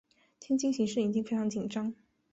天津形势已经非常紧张。